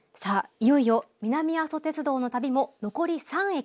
いよいよ南阿蘇鉄道の旅も残り３駅。